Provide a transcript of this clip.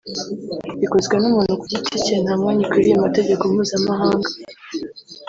ikozwe n’umuntu ku giti cye nta mwanya ikwiriye mu mategeko mpuzamahanga